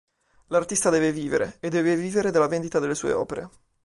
L'artista deve vivere, e deve vivere dalla vendita delle sue opere.